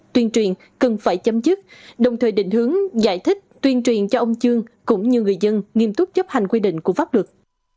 tuyên truyền cần phải chấm chức đồng thời định hướng giải thích tuyên truyền cho ông chương cũng như người dân nghiêm túc chấp hành quy định của pháp luật